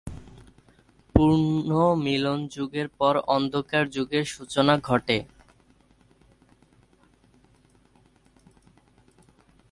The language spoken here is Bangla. পুনর্মিলন যুগের পর অন্ধকার যুগের সূচনা ঘটে।